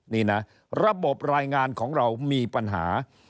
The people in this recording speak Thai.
นี่นะระบบรายงานของเรามีปัญหา